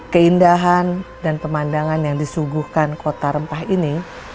keindahan dan pemandangan yang disuguhkan kota rempah ini